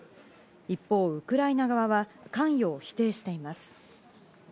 一方、ウクライナ側は関与を否定しています。